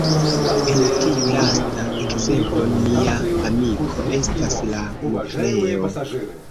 En tiu lasta ekzemplo "mia amiko" estas la nukleo.